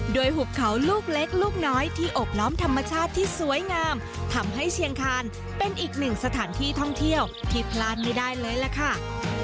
โดยหุบเขาลูกเล็กลูกน้อยที่อบล้อมธรรมชาติที่สวยงามทำให้เชียงคานเป็นอีกหนึ่งสถานที่ท่องเที่ยวที่พลาดไม่ได้เลยล่ะค่ะ